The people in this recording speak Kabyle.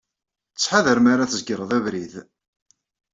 Ttḥadar mi ara tzegreḍ abrid.